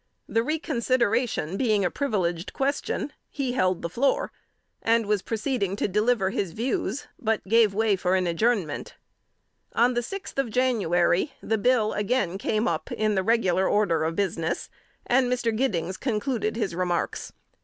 The reconsideration being a privileged question, he held the floor, and was proceeding to deliver his views, but gave way for an adjournment. [Sidenote: 1849.] On the sixth of January, the bill again came up in the regular order of business, and Mr. Giddings concluded his remarks.